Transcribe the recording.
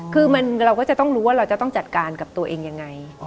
คือเราก็จะต้องรู้ว่าเราจะต้องจัดการกับตัวเองยังไง